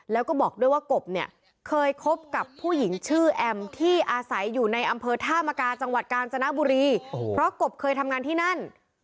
แล้วก็บอกด้วยว่ากบเนี่ยเคยคบกับผู้หญิงชื่อแอมที่อาศัยอยู่ในอำเภอท่ามกาจังหวัดกาญจนบุรีเพราะกบเคยทำงานที่นั่น